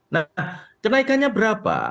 nah kenaikannya berapa